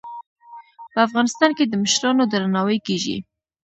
په افغانستان کې د مشرانو درناوی کیږي.